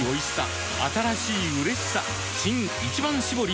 新「一番搾り」